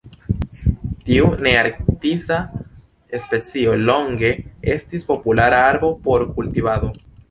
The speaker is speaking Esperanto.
Tiu nearktisa specio longe estis populara arbo por kultivado.